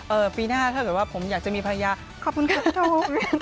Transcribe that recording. ปีหน้าถ้าเกิดว่าผมอยากจะมีภรรยาขอบคุณครับผม